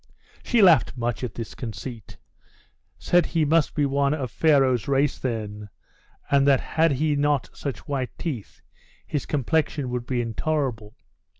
She laughed much at this conceit; said he must be one of Pharaoh's race then, and that had he not such white teeth, his complexion would be intolerable.